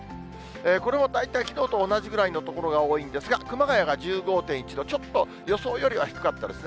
これも大体きのうと同じぐらいのところが多いんですが、熊谷が１５．１度、ちょっと予想よりは低かったですね。